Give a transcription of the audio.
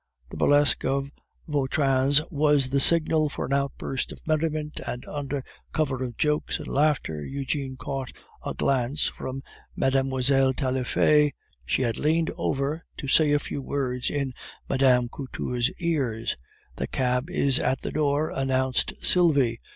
This burlesque of Vautrin's was the signal for an outburst of merriment, and under cover of jokes and laughter Eugene caught a glance from Mlle. Taillefer; she had leaned over to say a few words in Mme. Couture's ear. "The cab is at the door," announced Sylvie.